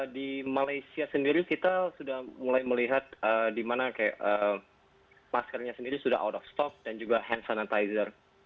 di malaysia sendiri kita sudah mulai melihat di mana maskernya sendiri sudah out of stop dan juga hand sanitizer